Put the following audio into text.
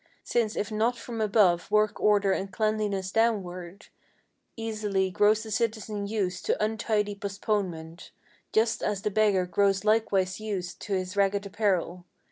Since if not from above work order and cleanliness downward, Easily grows the citizen used to untidy postponement; Just as the beggar grows likewise used to his ragged apparel.